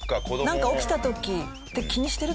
なんか起きた時。